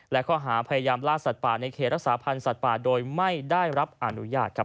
และข้อหาพยายามล่าสัตว์ป่าในเขตรักษาพันธ์สัตว์ป่าโดยไม่ได้รับอนุญาตครับ